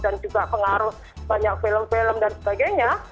dan juga pengaruh banyak film film dan sebagainya